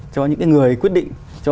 cho những người quyết định